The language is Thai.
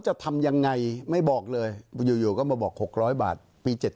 จะทำยังไงไม่บอกเลยอยู่ก็มาบอก๖๐๐บาทปี๗๗